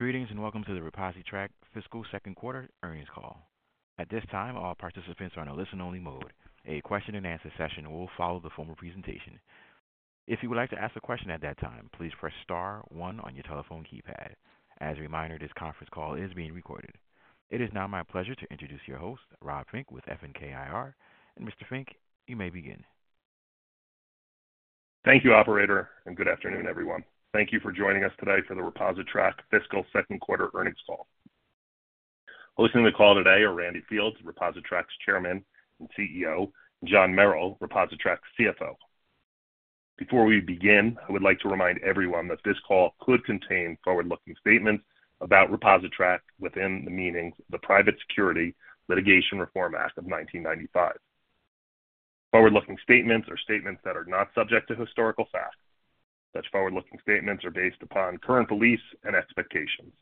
Greetings and welcome to the ReposiTrak fiscal second quarter earnings call. At this time, all participants are in a listen-only mode. A question-and-answer session will follow the formal presentation. If you would like to ask a question at that time, please press star one on your telephone keypad. As a reminder, this conference call is being recorded. It is now my pleasure to introduce your host, Rob Fink, with FNK IR. And Mr. Fink, you may begin. Thank you, Operator, and good afternoon, everyone. Thank you for joining us today for the ReposiTrak fiscal second quarter earnings call. Listening to the call today are Randy Fields, ReposiTrak's Chairman and CEO. John Merrill, ReposiTrak's CFO. Before we begin, I would like to remind everyone that this call could contain forward-looking statements about ReposiTrak within the meaning of the Private Securities Litigation Reform Act of 1995. Forward-looking statements are statements that are not subject to historical facts. Such forward-looking statements are based upon current beliefs and expectations.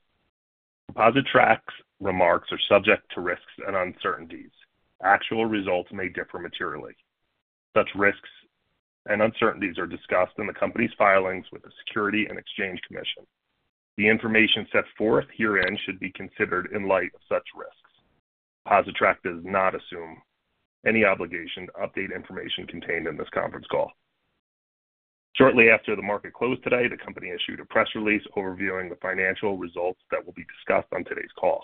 ReposiTrak's remarks are subject to risks and uncertainties. Actual results may differ materially. Such risks and uncertainties are discussed in the company's filings with the Securities and Exchange Commission. The information set forth herein should be considered in light of such risks. ReposiTrak does not assume any obligation to update information contained in this conference call. Shortly after the market closed today, the company issued a press release overviewing the financial results that will be discussed on today's call.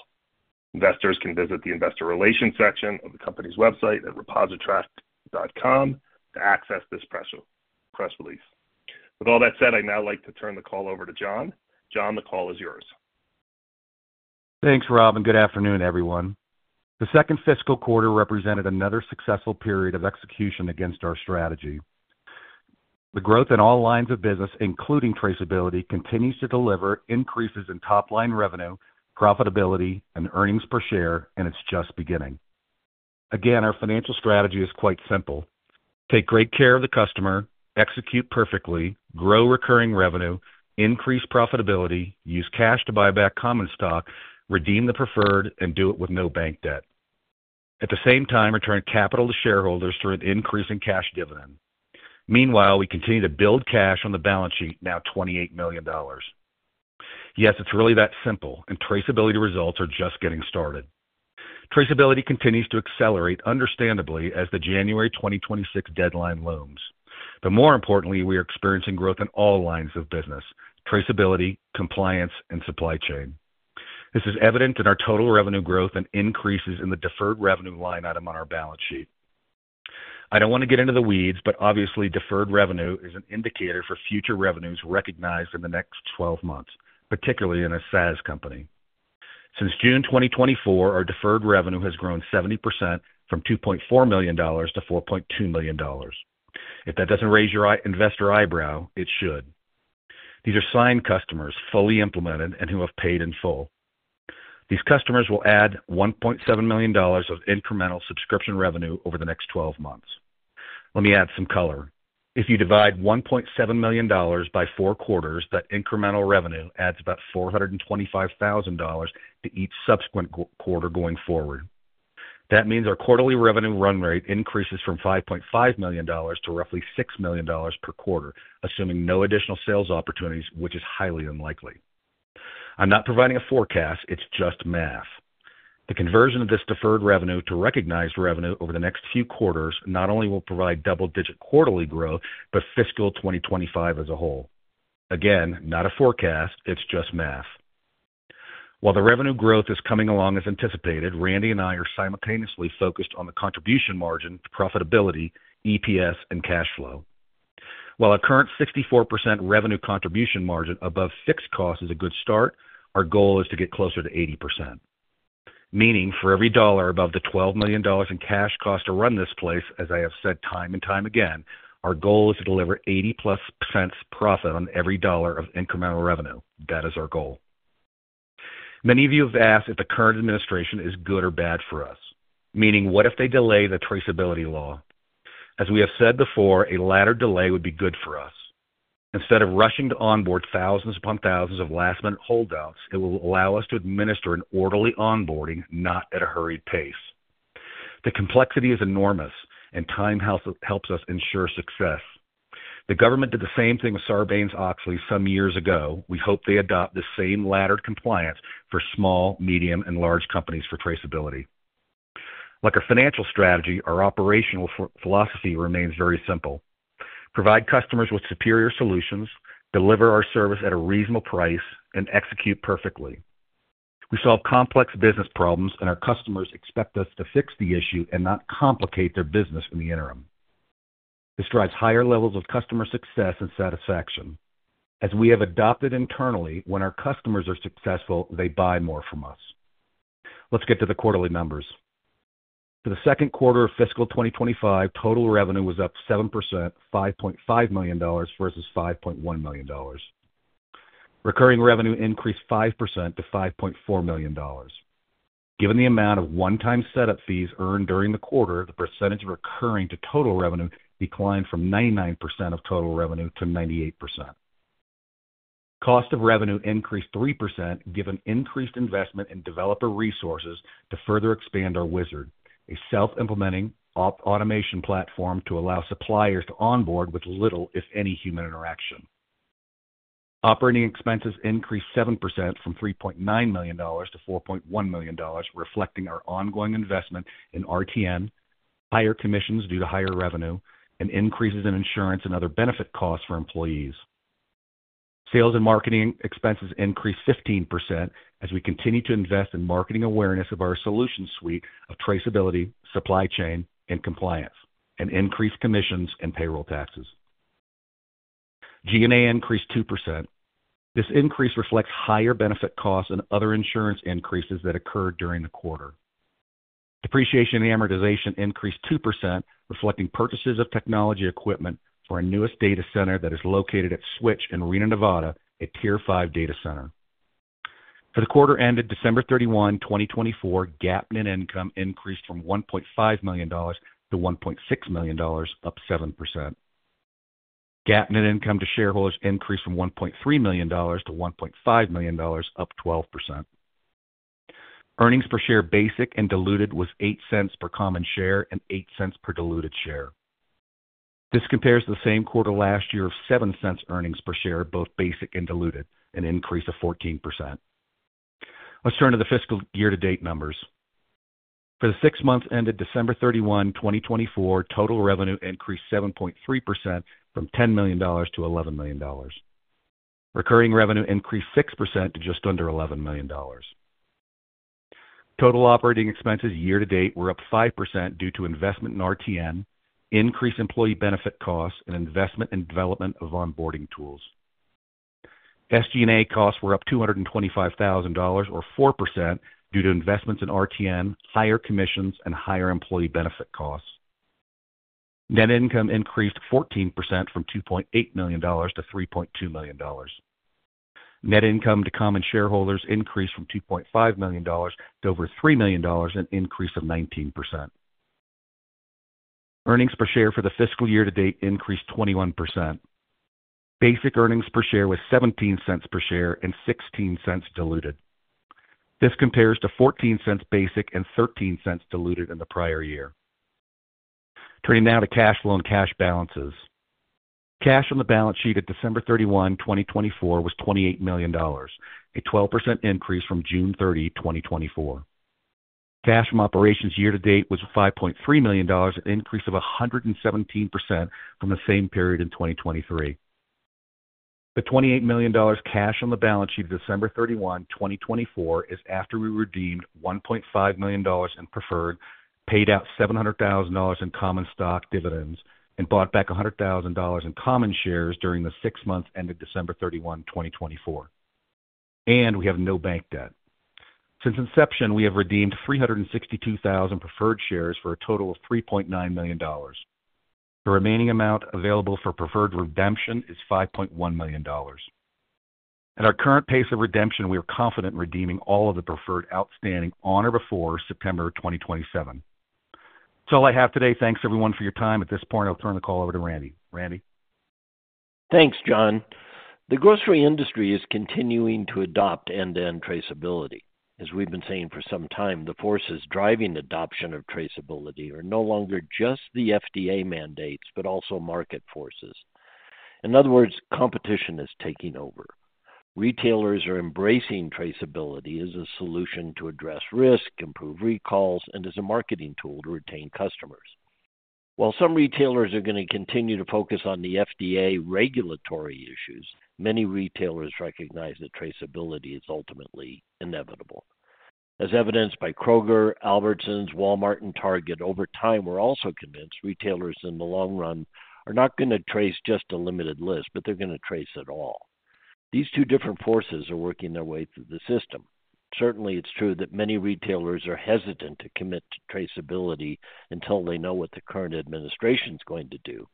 Investors can visit the investor relations section of the company's website at repositrak.com to access this press release. With all that said, I'd now like to turn the call over to John. John, the call is yours. Thanks, Rob, and good afternoon, everyone. The second fiscal quarter represented another successful period of execution against our strategy. The growth in all lines of business, including traceability, continues to deliver increases in top-line revenue, profitability, and earnings per share, and it's just beginning. Again, our financial strategy is quite simple: take great care of the customer, execute perfectly, grow recurring revenue, increase profitability, use cash to buy back common stock, redeem the preferred, and do it with no bank debt. At the same time, return capital to shareholders through an increase in cash dividend. Meanwhile, we continue to build cash on the balance sheet, now $28 million. Yes, it's really that simple, and traceability results are just getting started. Traceability continues to accelerate, understandably, as the January 2026 deadline looms. But more importantly, we are experiencing growth in all lines of business: traceability, compliance, and supply chain. This is evident in our total revenue growth and increases in the deferred revenue line item on our balance sheet. I don't want to get into the weeds, but obviously, deferred revenue is an indicator for future revenues recognized in the next 12 months, particularly in a SaaS company. Since June 2024, our deferred revenue has grown 70% from $2.4 million to $4.2 million. If that doesn't raise your investor eyebrow, it should. These are signed customers, fully implemented, and who have paid in full. These customers will add $1.7 million of incremental subscription revenue over the next 12 months. Let me add some color. If you divide $1.7 million by four quarters, that incremental revenue adds about $425,000 to each subsequent quarter going forward. That means our quarterly revenue run rate increases from $5.5 million to roughly $6 million per quarter, assuming no additional sales opportunities, which is highly unlikely. I'm not providing a forecast. It's just math. The conversion of this deferred revenue to recognized revenue over the next few quarters not only will provide double-digit quarterly growth, but fiscal 2025 as a whole. Again, not a forecast. It's just math. While the revenue growth is coming along as anticipated, Randy and I are simultaneously focused on the contribution margin, profitability, EPS, and cash flow. While our current 64% revenue contribution margin above fixed cost is a good start, our goal is to get closer to 80%. Meaning, for every dollar above the $12 million in cash cost to run this place, as I have said time and time again, our goal is to deliver 80-plus cents profit on every dollar of incremental revenue. That is our goal. Many of you have asked if the current administration is good or bad for us. Meaning, what if they delay the traceability law? As we have said before, a laddered delay would be good for us. Instead of rushing to onboard thousands upon thousands of last-minute holdouts, it will allow us to administer an orderly onboarding, not at a hurried pace. The complexity is enormous, and time helps us ensure success. The government did the same thing with Sarbanes-Oxley some years ago. We hope they adopt the same laddered compliance for small, medium, and large companies for traceability. Like our financial strategy, our operational philosophy remains very simple: provide customers with superior solutions, deliver our service at a reasonable price, and execute perfectly. We solve complex business problems, and our customers expect us to fix the issue and not complicate their business in the interim. This drives higher levels of customer success and satisfaction. As we have adopted internally, when our customers are successful, they buy more from us. Let's get to the quarterly numbers. For the second quarter of fiscal 2025, total revenue was up 7%, $5.5 million versus $5.1 million. Recurring revenue increased 5% to $5.4 million. Given the amount of one-time setup fees earned during the quarter, the percentage of recurring to total revenue declined from 99% of total revenue to 98%. Cost of revenue increased 3% given increased investment in developer resources to further expand our wizard, a self-implementing automation platform to allow suppliers to onboard with little, if any, human interaction. Operating expenses increased 7% from $3.9 million to $4.1 million, reflecting our ongoing investment in RTN, higher commissions due to higher revenue, and increases in insurance and other benefit costs for employees. Sales and marketing expenses increased 15% as we continue to invest in marketing awareness of our solution suite of traceability, supply chain, and compliance, and increased commissions and payroll taxes. G&A increased 2%. This increase reflects higher benefit costs and other insurance increases that occurred during the quarter. Depreciation and amortization increased 2%, reflecting purchases of technology equipment for our newest data center that is located at Switch in Reno, Nevada, a Tier 5 data center. For the quarter ended December 31, 2024, GAAP net income increased from $1.5 million to $1.6 million, up 7%. GAAP net income to shareholders increased from $1.3 million to $1.5 million, up 12%. Earnings per share basic and diluted was $0.08 per common share and $0.08 per diluted share. This compares to the same quarter last year of $0.07 earnings per share, both basic and diluted, an increase of 14%. Let's turn to the fiscal year-to-date numbers. For the six months ended December 31, 2024, total revenue increased 7.3% from $10 million to $11 million. Recurring revenue increased 6% to just under $11 million. Total operating expenses year-to-date were up 5% due to investment in RTN, increased employee benefit costs, and investment and development of onboarding tools. SG&A costs were up $225,000, or 4%, due to investments in RTN, higher commissions, and higher employee benefit costs. Net income increased 14% from $2.8 million to $3.2 million. Net income to common shareholders increased from $2.5 million to over $3 million and increased of 19%. Earnings per share for the fiscal year-to-date increased 21%. Basic earnings per share was $0.17 per share and $0.16 diluted. This compares to $0.14 basic and $0.13 diluted in the prior year. Turning now to cash flow and cash balances. Cash on the balance sheet at December 31, 2024, was $28 million, a 12% increase from June 30, 2024. Cash from operations year-to-date was $5.3 million, an increase of 117% from the same period in 2023. The $28 million cash on the balance sheet of December 31, 2024, is after we redeemed $1.5 million in preferred, paid out $700,000 in common stock dividends, and bought back $100,000 in common shares during the six months ended December 31, 2024. We have no bank debt. Since inception, we have redeemed 362,000 preferred shares for a total of $3.9 million. The remaining amount available for preferred redemption is $5.1 million. At our current pace of redemption, we are confident redeeming all of the preferred outstanding on or before September 2027. That's all I have today. Thanks, everyone, for your time. At this point, I'll turn the call over to Randy. Randy? Thanks, John. The grocery industry is continuing to adopt end-to-end traceability. As we've been saying for some time, the forces driving adoption of traceability are no longer just the FDA mandates, but also market forces. In other words, competition is taking over. Retailers are embracing traceability as a solution to address risk, improve recalls, and as a marketing tool to retain customers. While some retailers are going to continue to focus on the FDA regulatory issues, many retailers recognize that traceability is ultimately inevitable. As evidenced by Kroger, Albertsons, Walmart, and Target, over time, we're also convinced retailers in the long run are not going to trace just a limited list, but they're going to trace it all. These two different forces are working their way through the system. Certainly, it's true that many retailers are hesitant to commit to traceability until they know what the current administration is going to do,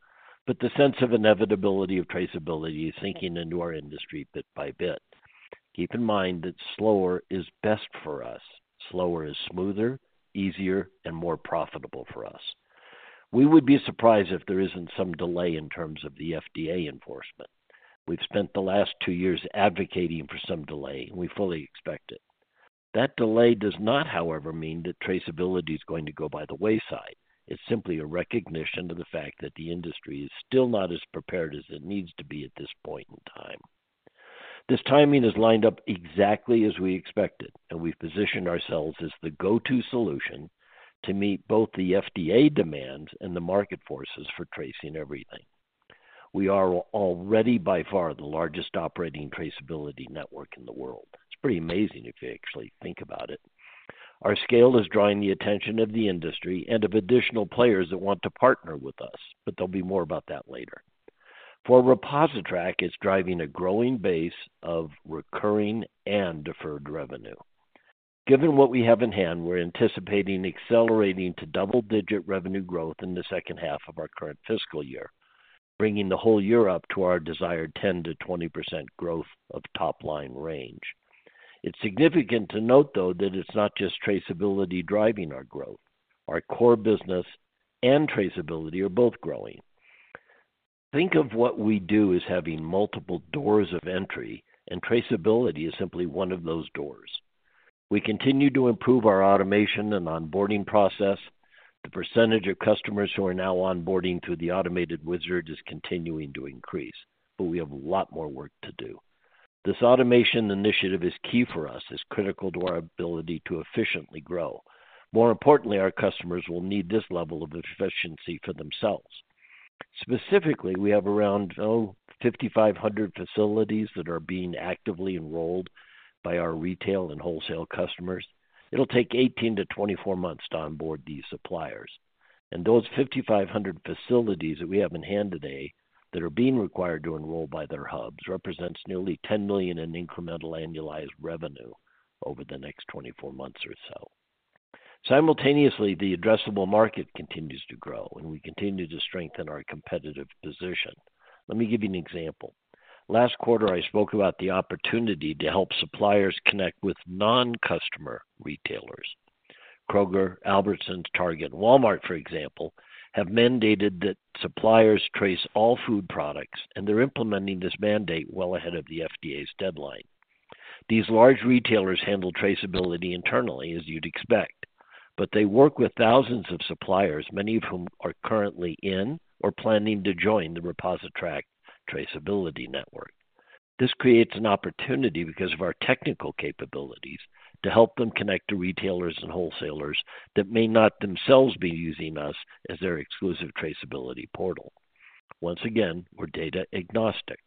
but the sense of inevitability of traceability is sinking into our industry bit by bit. Keep in mind that slower is best for us. Slower is smoother, easier, and more profitable for us. We would be surprised if there isn't some delay in terms of the FDA enforcement. We've spent the last two years advocating for some delay, and we fully expect it. That delay does not, however, mean that traceability is going to go by the wayside. It's simply a recognition of the fact that the industry is still not as prepared as it needs to be at this point in time. This timing is lined up exactly as we expected, and we've positioned ourselves as the go-to solution to meet both the FDA demands and the market forces for tracing everything. We are already, by far, the largest operating traceability network in the world. It's pretty amazing if you actually think about it. Our scale is drawing the attention of the industry and of additional players that want to partner with us, but there'll be more about that later. For ReposiTrak, it's driving a growing base of recurring and deferred revenue. Given what we have in hand, we're anticipating accelerating to double-digit revenue growth in the second half of our current fiscal year, bringing the whole year up to our desired 10%-20% growth of top-line range. It's significant to note, though, that it's not just traceability driving our growth. Our core business and traceability are both growing. Think of what we do as having multiple doors of entry, and traceability is simply one of those doors. We continue to improve our automation and onboarding process. The percentage of customers who are now onboarding through the automated wizard is continuing to increase, but we have a lot more work to do. This automation initiative is key for us, is critical to our ability to efficiently grow. More importantly, our customers will need this level of efficiency for themselves. Specifically, we have around 5,500 facilities that are being actively enrolled by our retail and wholesale customers. It'll take 18 to 24 months to onboard these suppliers. And those 5,500 facilities that we have in hand today that are being required to enroll by their hubs represents nearly $10 million in incremental annualized revenue over the next 24 months or so. Simultaneously, the addressable market continues to grow, and we continue to strengthen our competitive position. Let me give you an example. Last quarter, I spoke about the opportunity to help suppliers connect with non-customer retailers. Kroger, Albertsons, Target, and Walmart, for example, have mandated that suppliers trace all food products, and they're implementing this mandate well ahead of the FDA's deadline. These large retailers handle traceability internally, as you'd expect, but they work with thousands of suppliers, many of whom are currently in or planning to join the ReposiTrak Traceability Network. This creates an opportunity because of our technical capabilities to help them connect to retailers and wholesalers that may not themselves be using us as their exclusive traceability portal. Once again, we're data agnostic.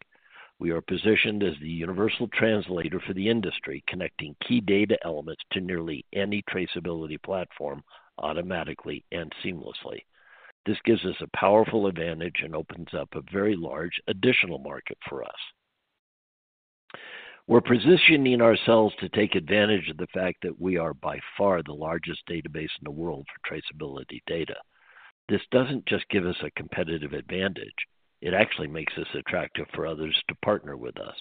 We are positioned as the universal translator for the industry, connecting key data elements to nearly any traceability platform automatically and seamlessly. This gives us a powerful advantage and opens up a very large additional market for us. We're positioning ourselves to take advantage of the fact that we are by far the largest database in the world for traceability data. This doesn't just give us a competitive advantage. It actually makes us attractive for others to partner with us.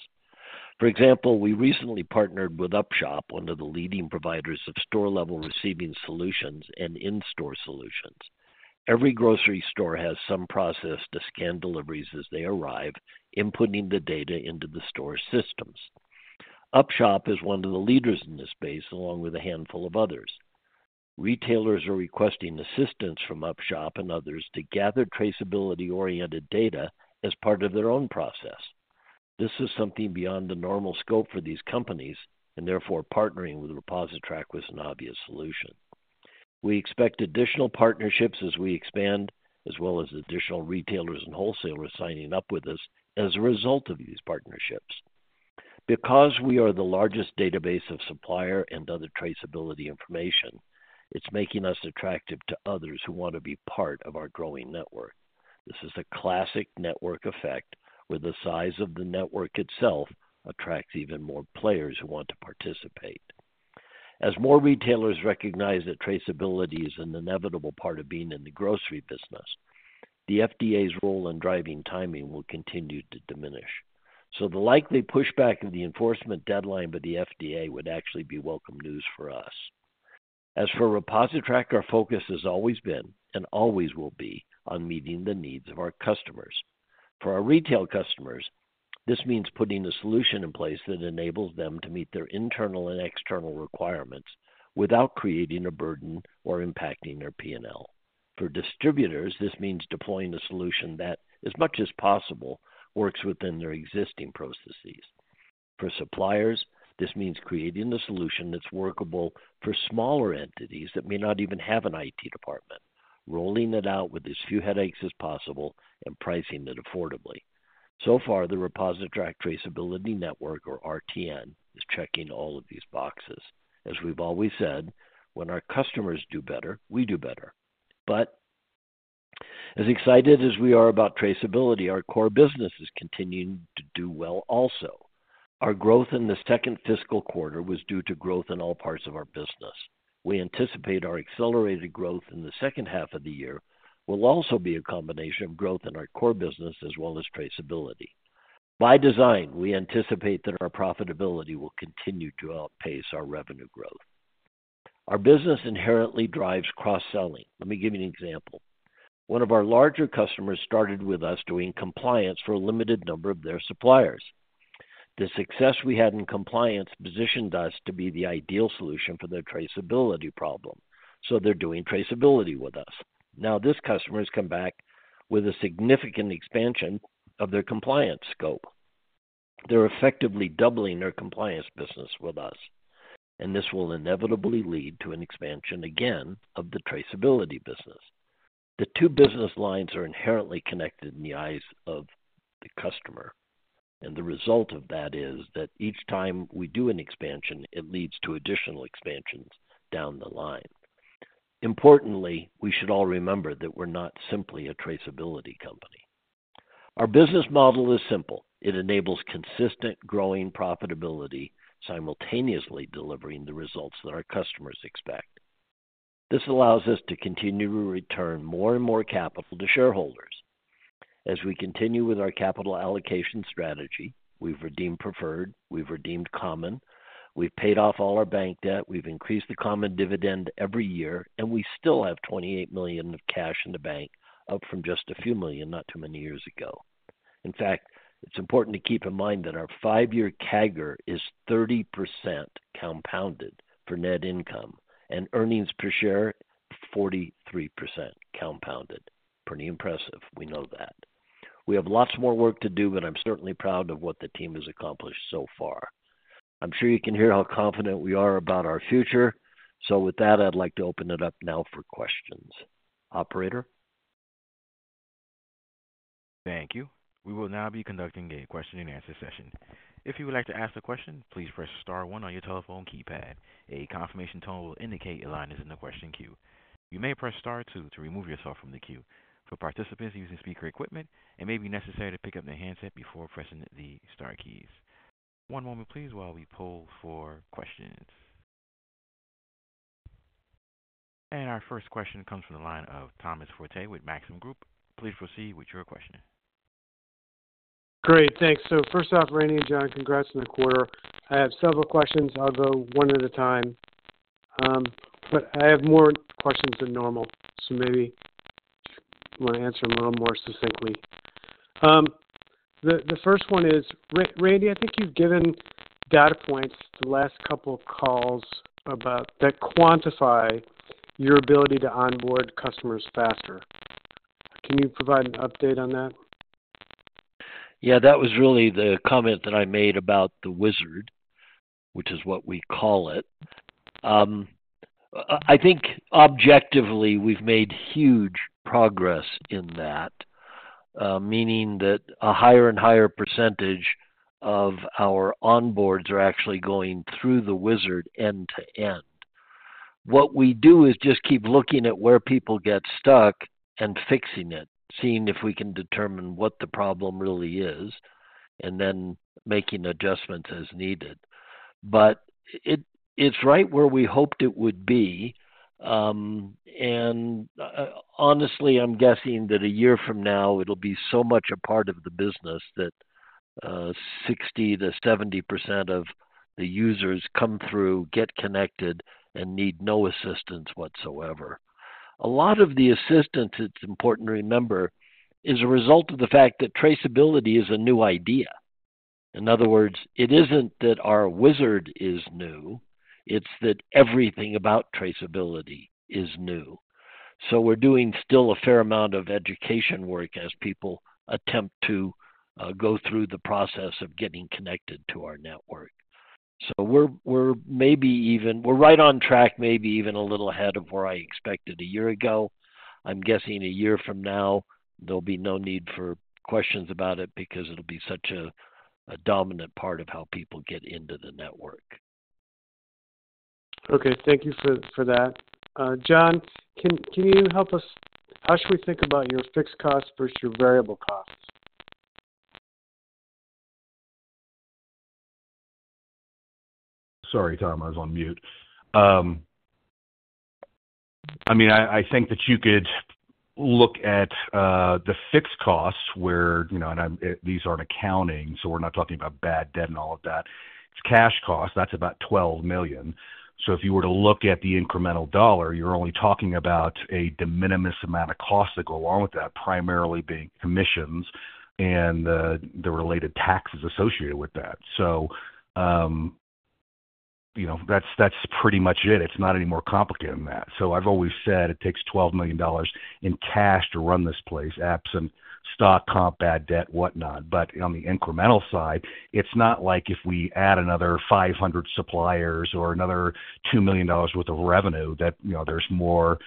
For example, we recently partnered with Upshop, one of the leading providers of store-level receiving solutions and in-store solutions. Every grocery store has some process to scan deliveries as they arrive, inputting the data into the store systems. Upshop is one of the leaders in this space, along with a handful of others. Retailers are requesting assistance from Upshop and others to gather traceability-oriented data as part of their own process. This is something beyond the normal scope for these companies, and therefore, partnering with ReposiTrak was an obvious solution. We expect additional partnerships as we expand, as well as additional retailers and wholesalers signing up with us as a result of these partnerships. Because we are the largest database of supplier and other traceability information, it's making us attractive to others who want to be part of our growing network. This is a classic network effect where the size of the network itself attracts even more players who want to participate. As more retailers recognize that traceability is an inevitable part of being in the grocery business, the FDA's role in driving timing will continue to diminish. So the likely pushback of the enforcement deadline by the FDA would actually be welcome news for us. As for ReposiTrak, our focus has always been and always will be on meeting the needs of our customers. For our retail customers, this means putting a solution in place that enables them to meet their internal and external requirements without creating a burden or impacting their P&L. For distributors, this means deploying a solution that, as much as possible, works within their existing processes. For suppliers, this means creating a solution that's workable for smaller entities that may not even have an IT department, rolling it out with as few headaches as possible and pricing it affordably. So far, the ReposiTrak Traceability Network, or RTN, is checking all of these boxes. As we've always said, when our customers do better, we do better. But as excited as we are about traceability, our core business is continuing to do well also. Our growth in the second fiscal quarter was due to growth in all parts of our business. We anticipate our accelerated growth in the second half of the year will also be a combination of growth in our core business as well as traceability. By design, we anticipate that our profitability will continue to outpace our revenue growth. Our business inherently drives cross-selling. Let me give you an example. One of our larger customers started with us doing compliance for a limited number of their suppliers. The success we had in compliance positioned us to be the ideal solution for their traceability problem. So they're doing traceability with us. Now, this customer has come back with a significant expansion of their compliance scope. They're effectively doubling their compliance business with us, and this will inevitably lead to an expansion again of the traceability business. The two business lines are inherently connected in the eyes of the customer, and the result of that is that each time we do an expansion, it leads to additional expansions down the line. Importantly, we should all remember that we're not simply a traceability company. Our business model is simple. It enables consistent growing profitability, simultaneously delivering the results that our customers expect. This allows us to continue to return more and more capital to shareholders. As we continue with our capital allocation strategy, we've redeemed preferred, we've redeemed common, we've paid off all our bank debt, we've increased the common dividend every year, and we still have $28 million of cash in the bank up from just a few million not too many years ago. In fact, it's important to keep in mind that our five-year CAGR is 30% compounded for net income and earnings per share 43% compounded. Pretty impressive. We know that. We have lots more work to do, but I'm certainly proud of what the team has accomplished so far. I'm sure you can hear how confident we are about our future. So with that, I'd like to open it up now for questions. Operator? Thank you. We will now be conducting a question-and-answer session. If you would like to ask a question, please press star one on your telephone keypad. A confirmation tone will indicate your line is in the question queue. You may press star two to remove yourself from the queue. For participants using speaker equipment, it may be necessary to pick up their handset before pressing the star keys. One moment, please, while we pull for questions. And our first question comes from the line of Tom Forte with Maxim Group. Please proceed with your question. Great. Thanks. So first off, Randy and John, congrats on the quarter. I have several questions. I'll go one at a time. But I have more questions than normal, so maybe I want to answer them a little more succinctly. The first one is, Randy, I think you've given data points the last couple of calls that quantify your ability to onboard customers faster. Can you provide an update on that? Yeah, that was really the comment that I made about the wizard, which is what we call it. I think objectively, we've made huge progress in that, meaning that a higher and higher percentage of our onboards are actually going through the wizard end to end. What we do is just keep looking at where people get stuck and fixing it, seeing if we can determine what the problem really is, and then making adjustments as needed. But it's right where we hoped it would be. And honestly, I'm guessing that a year from now, it'll be so much a part of the business that 60%-70% of the users come through, get connected, and need no assistance whatsoever. A lot of the assistance, it's important to remember, is a result of the fact that traceability is a new idea. In other words, it isn't that our wizard is new. It's that everything about traceability is new. So we're doing still a fair amount of education work as people attempt to go through the process of getting connected to our network. We're maybe even - we're right on track, maybe even a little ahead of where I expected a year ago. I'm guessing a year from now, there'll be no need for questions about it because it'll be such a dominant part of how people get into the network. Okay. Thank you for that. John, can you help us? How should we think about your fixed costs versus your variable costs? Sorry, Tom. I was on mute. I mean, I think that you could look at the fixed costs where, and these aren't accounting, so we're not talking about bad debt and all of that. It's cash costs. That's about $12 million. So if you were to look at the incremental dollar, you're only talking about a de minimis amount of costs that go along with that, primarily being commissions and the related taxes associated with that. So that's pretty much it. It's not any more complicated than that. So I've always said it takes $12 million in cash to run this place, absent stock comp, bad debt, whatnot. But on the incremental side, it's not like if we add another 500 suppliers or another $2 million worth of revenue that there's more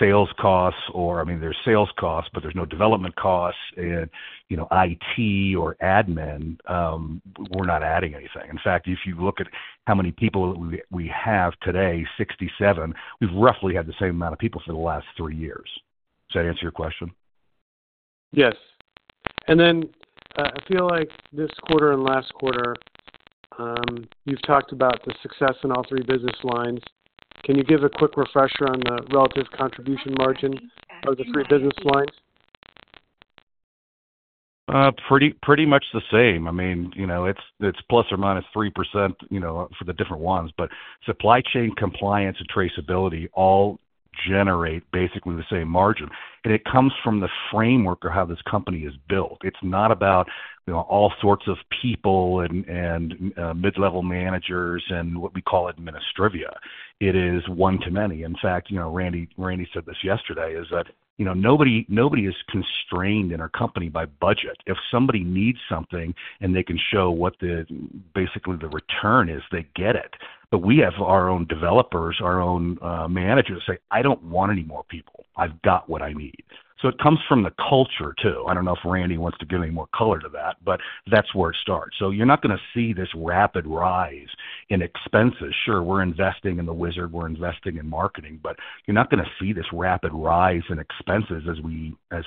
sales costs or, I mean, there's sales costs, but there's no development costs and IT or admin. We're not adding anything. In fact, if you look at how many people we have today, 67, we've roughly had the same amount of people for the last three years. Does that answer your question? Yes. And then I feel like this quarter and last quarter, you've talked about the success in all three business lines. Can you give a quick refresher on the relative contribution margin of the three business lines? Pretty much the same. I mean, it's plus or minus 3% for the different ones. But supply chain compliance and traceability all generate basically the same margin. And it comes from the framework of how this company is built. It's not about all sorts of people and mid-level managers and what we call administrivia. It is one to many. In fact, Randy said this yesterday, is that nobody is constrained in our company by budget. If somebody needs something and they can show what basically the return is, they get it. But we have our own developers, our own managers say, "I don't want any more people. I've got what I need." So it comes from the culture too. I don't know if Randy wants to give any more color to that, but that's where it starts. So you're not going to see this rapid rise in expenses. Sure, we're investing in the wizard. We're investing in marketing. But you're not going to see this rapid rise in expenses as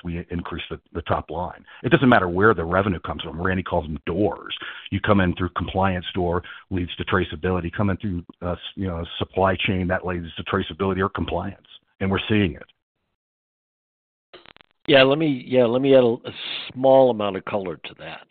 we increase the top line. It doesn't matter where the revenue comes from. Randy calls them doors. You come in through compliance door, leads to traceability. Come in through supply chain, that leads to traceability or compliance. And we're seeing it. Yeah. Let me add a small amount of color to that.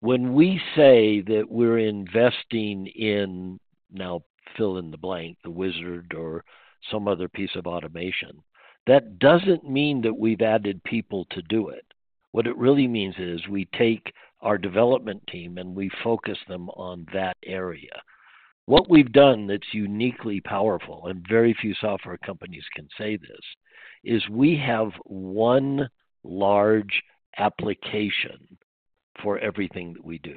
When we say that we're investing in (now fill in the blank) the wizard or some other piece of automation, that doesn't mean that we've added people to do it. What it really means is we take our development team and we focus them on that area. What we've done that's uniquely powerful, and very few software companies can say this, is we have one large application for everything that we do.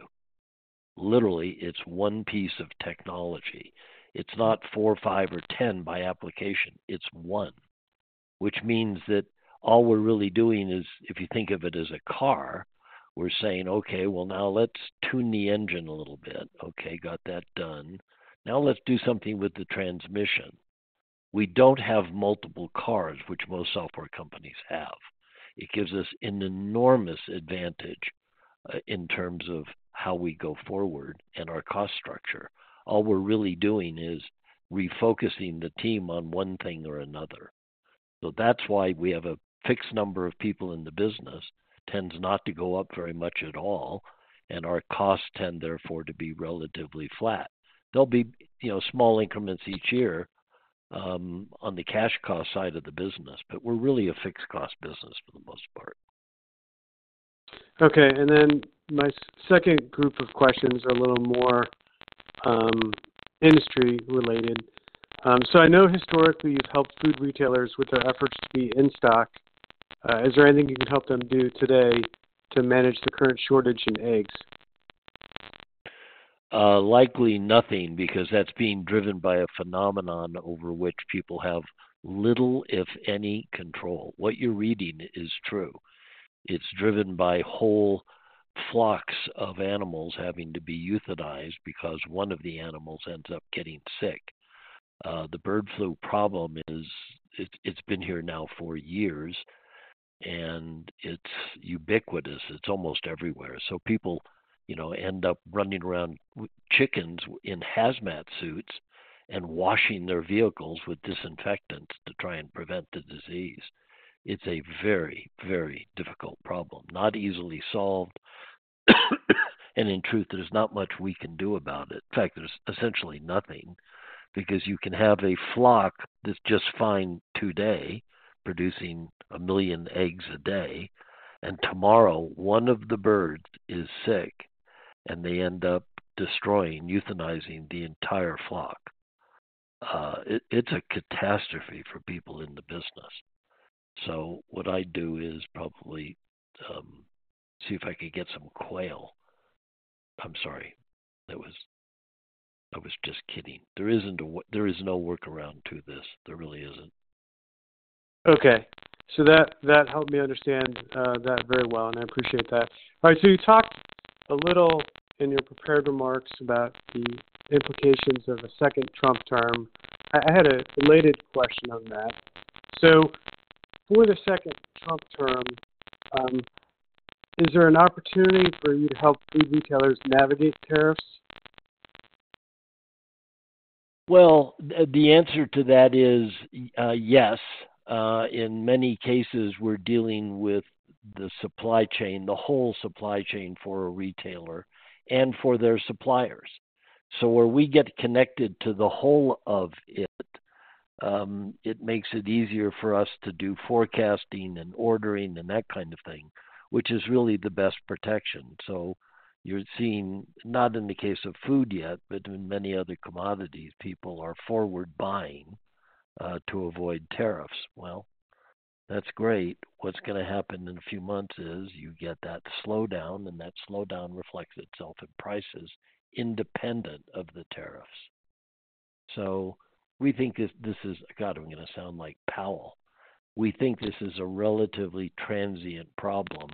Literally, it's one piece of technology. It's not four, five, or 10 by application. It's one. Which means that all we're really doing is, if you think of it as a car, we're saying, "Okay, well, now let's tune the engine a little bit. Okay, got that done. Now let's do something with the transmission." We don't have multiple cars, which most software companies have. It gives us an enormous advantage in terms of how we go forward and our cost structure. All we're really doing is refocusing the team on one thing or another. So that's why we have a fixed number of people in the business, tends not to go up very much at all, and our costs tend therefore to be relatively flat. There'll be small increments each year on the cash cost side of the business, but we're really a fixed cost business for the most part. Okay. And then my second group of questions are a little more industry-related. So I know historically you've helped food retailers with their efforts to be in stock. Is there anything you can help them do today to manage the current shortage in eggs? Likely nothing because that's being driven by a phenomenon over which people have little, if any, control. What you're reading is true. It's driven by whole flocks of animals having to be euthanized because one of the animals ends up getting sick. The bird flu problem is it's been here now for years, and it's ubiquitous. It's almost everywhere. So people end up running around with chickens in hazmat suits and washing their vehicles with disinfectants to try and prevent the disease. It's a very, very difficult problem, not easily solved. And in truth, there's not much we can do about it. In fact, there's essentially nothing because you can have a flock that's just fine today producing a million eggs a day, and tomorrow one of the birds is sick, and they end up destroying, euthanizing the entire flock. It's a catastrophe for people in the business. So what I do is probably see if I could get some quail. I'm sorry. I was just kidding. There is no workaround to this. There really isn't. Okay. So that helped me understand that very well, and I appreciate that. All right. So you talked a little in your prepared remarks about the implications of a second Trump term. I had a related question on that. So for the second Trump term, is there an opportunity for you to help food retailers navigate tariffs? Well, the answer to that is yes. In many cases, we're dealing with the supply chain, the whole supply chain for a retailer and for their suppliers. So where we get connected to the whole of it, it makes it easier for us to do forecasting and ordering and that kind of thing, which is really the best protection. So you're seeing, not in the case of food yet, but in many other commodities, people are forward buying to avoid tariffs. Well, that's great. What's going to happen in a few months is you get that slowdown, and that slowdown reflects itself in prices independent of the tariffs. So we think this is, god, I'm going to sound like Powell. We think this is a relatively transient problem,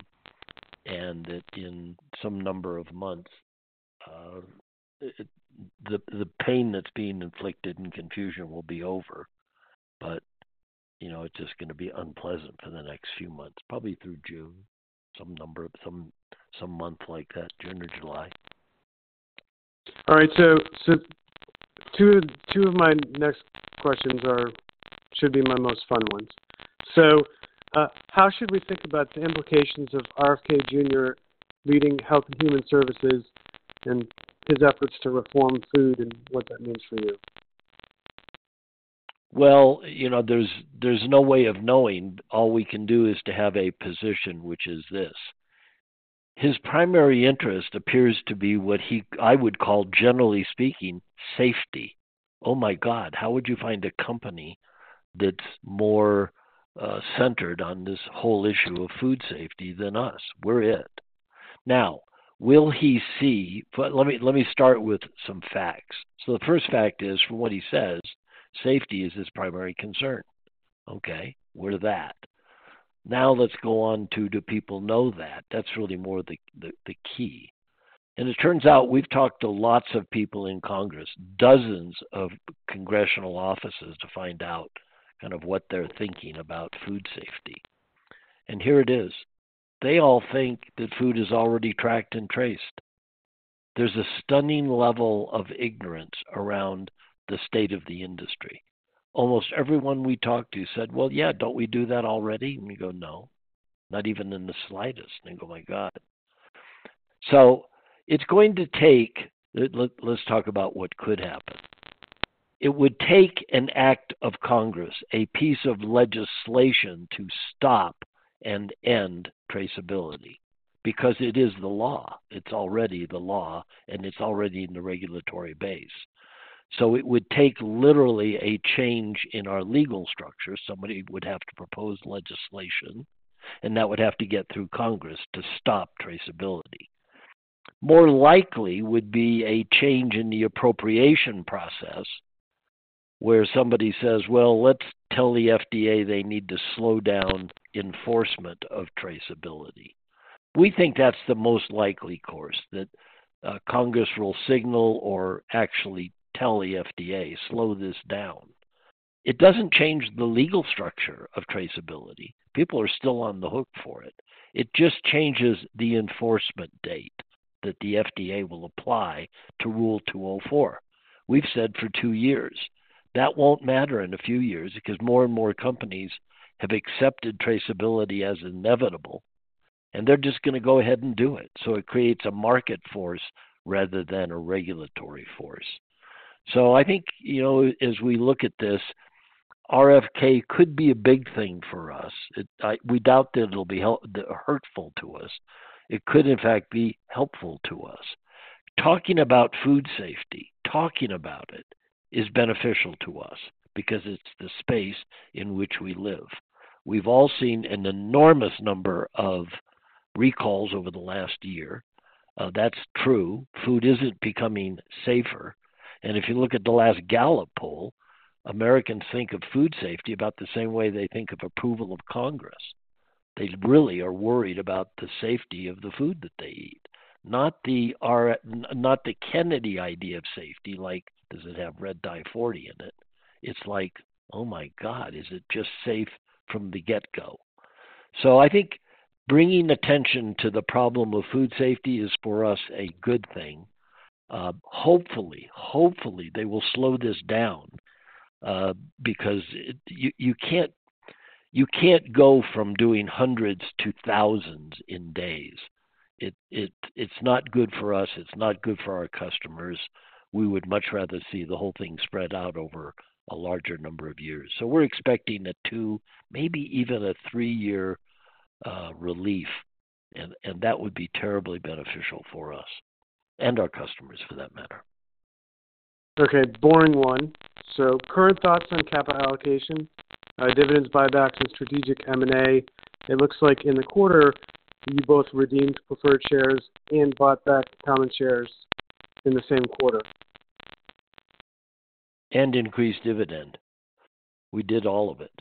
and that in some number of months, the pain that's being inflicted and confusion will be over. But it's just going to be unpleasant for the next few months, probably through June, some month like that, June or July. All right. So two of my next questions should be my most fun ones. So how should we think about the implications of RFK Jr. leading Health and Human Services and his efforts to reform food and what that means for you? There's no way of knowing. All we can do is to have a position, which is this. His primary interest appears to be what I would call, generally speaking, safety. Oh my God, how would you find a company that's more centered on this whole issue of food safety than us? We're it. Now, will he see? Let me start with some facts. The first fact is, from what he says, safety is his primary concern. Okay. We're that. Now let's go on to: do people know that? That's really more the key. It turns out we've talked to lots of people in Congress, dozens of congressional offices to find out kind of what they're thinking about food safety. Here it is. They all think that food is already tracked and traced. There's a stunning level of ignorance around the state of the industry. Almost everyone we talked to said, "Well, yeah, don't we do that already?" We go, "No. Not even in the slightest." They go, "My God." It's going to take. Let's talk about what could happen. It would take an act of Congress, a piece of legislation to stop and end traceability because it is the law. It's already the law, and it's already in the regulatory base. It would take literally a change in our legal structure. Somebody would have to propose legislation, and that would have to get through Congress to stop traceability. More likely would be a change in the appropriation process where somebody says, "Well, let's tell the FDA they need to slow down enforcement of traceability." We think that's the most likely course, that Congress will signal or actually tell the FDA, "Slow this down." It doesn't change the legal structure of traceability. People are still on the hook for it. It just changes the enforcement date that the FDA will apply to Rule 204. We've said for two years, that won't matter in a few years because more and more companies have accepted traceability as inevitable, and they're just going to go ahead and do it. So it creates a market force rather than a regulatory force. So I think as we look at this, RFK could be a big thing for us. We doubt that it'll be hurtful to us. It could, in fact, be helpful to us. Talking about food safety, talking about it is beneficial to us because it's the space in which we live. We've all seen an enormous number of recalls over the last year. That's true. Food isn't becoming safer. If you look at the last Gallup poll, Americans think of food safety about the same way they think of approval of Congress. They really are worried about the safety of the food that they eat, not the Kennedy idea of safety like, "Does it have Red Dye 40 in it?" It's like, "Oh my God, is it just safe from the get-go?" So I think bringing attention to the problem of food safety is, for us, a good thing. Hopefully, hopefully, they will slow this down because you can't go from doing hundreds to thousands in days. It's not good for us. It's not good for our customers. We would much rather see the whole thing spread out over a larger number of years. So we're expecting a two, maybe even a three-year relief, and that would be terribly beneficial for us and our customers for that matter. Okay. Boring one. So current thoughts on capital allocation, dividends, buybacks, and strategic M&A. It looks like in the quarter, you both redeemed preferred shares and bought back common shares in the same quarter. Increased dividend. We did all of it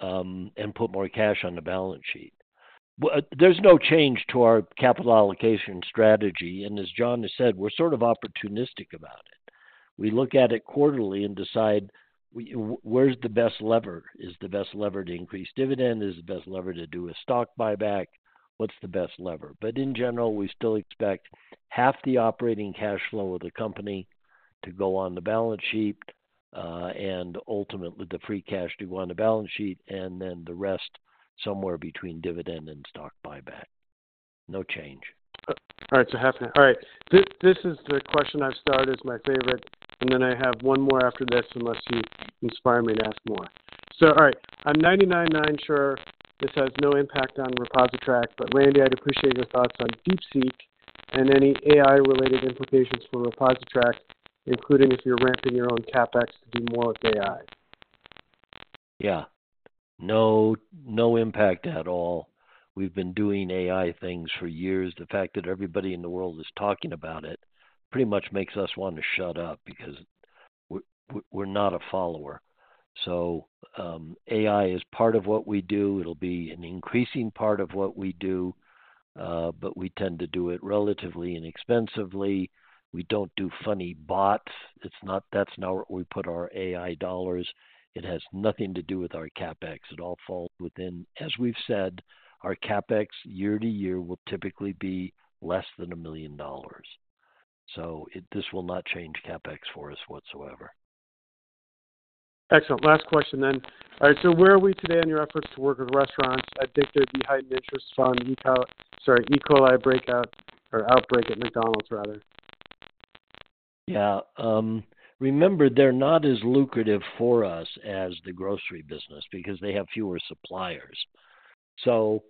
and put more cash on the balance sheet. There's no change to our capital allocation strategy. As John has said, we're sort of opportunistic about it. We look at it quarterly and decide where's the best lever. Is the best lever to increase dividend? Is the best lever to do a stock buyback? What's the best lever? But in general, we still expect half the operating cash flow of the company to go on the balance sheet and ultimately the free cash to go on the balance sheet, and then the rest somewhere between dividend and stock buyback. No change. All right. This is the question I've started as my favorite, and then I have one more after this unless you inspire me to ask more. So all right. I'm 99.9 sure this has no impact on ReposiTrak, but Randy, I'd appreciate your thoughts on DeepSeek and any AI-related implications for ReposiTrak, including if you're ramping your own CapEx to do more with AI. Yeah. No impact at all. We've been doing AI things for years. The fact that everybody in the world is talking about it pretty much makes us want to shut up because we're not a follower. So AI is part of what we do. It'll be an increasing part of what we do, but we tend to do it relatively inexpensively. We don't do funny bots. That's not where we put our AI dollars. It has nothing to do with our CapEx. It all falls within, as we've said, our CapEx year to year will typically be less than $1 million. So this will not change CapEx for us whatsoever. Excellent. Last question then. All right. So where are we today on your efforts to work with restaurants? I think they're behind interest fund, sorry, E. coli breakout or outbreak at McDonald's, rather. Yeah. Remember, they're not as lucrative for us as the grocery business because they have fewer suppliers. So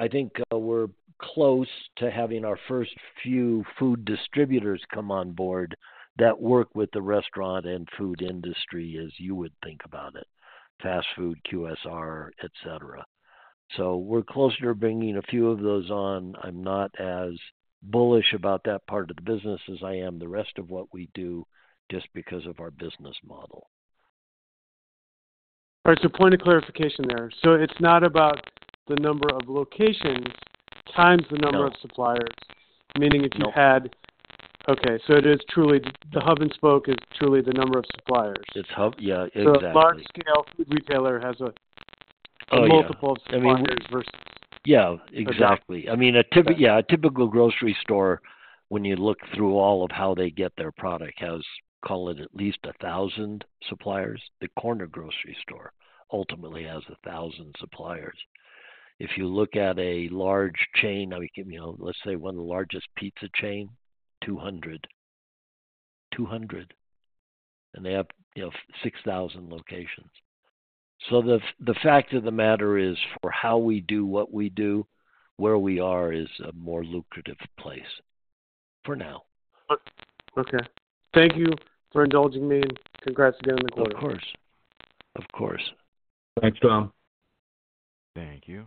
I think we're close to having our first few food distributors come on board that work with the restaurant and food industry as you would think about it: fast food, QSR, etc. So we're closer to bringing a few of those on. I'm not as bullish about that part of the business as I am the rest of what we do just because of our business model. All right. So point of clarification there. So it's not about the number of locations times the number of suppliers, meaning if you had, okay. So it is truly the hub and spoke is truly the number of suppliers. Yeah. Exactly. So a large-scale food retailer has multiple suppliers versus— Yeah. Exactly. I mean, yeah, a typical grocery store, when you look through all of how they get their product, has, we'll call it, at least 1,000 suppliers. The corner grocery store ultimately has 1,000 suppliers. If you look at a large chain, let's say one of the largest pizza chains, 200. 200. And they have 6,000 locations. So the fact of the matter is, for how we do what we do, where we are is a more lucrative place for now. Okay. Thank you for indulging me, and congrats again in the quarter. Of course. Of course. Thanks, Tom. Thank you.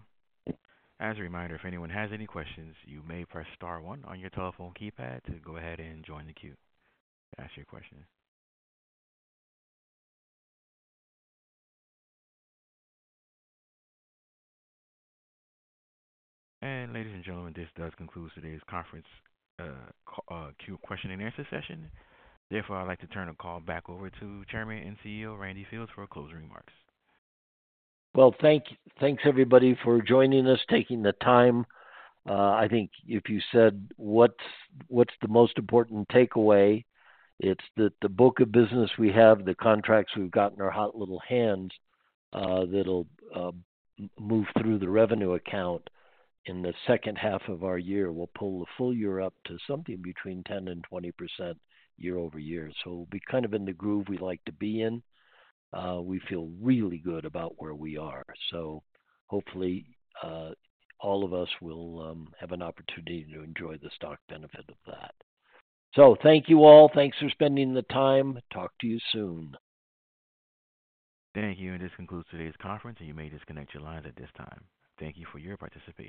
As a reminder, if anyone has any questions, you may press star one on your telephone keypad to go ahead and join the queue to ask your question. And ladies and gentlemen, this does conclude today's conference queue question and answer session. Therefore, I'd like to turn the call back over to Chairman and CEO Randy Fields for closing remarks. Well, thanks everybody for joining us, taking the time. I think if you said what's the most important takeaway, it's that the book of business we have, the contracts we've got in our hot little hands that'll move through the revenue account in the second half of our year, we'll pull the full year up to something between 10% and 20% year over year. So we'll be kind of in the groove we like to be in. We feel really good about where we are. So hopefully, all of us will have an opportunity to enjoy the stock benefit of that. So thank you all. Thanks for spending the time. Talk to you soon. Thank you. And this concludes today's conference, and you may disconnect your lines at this time. Thank you for your participation.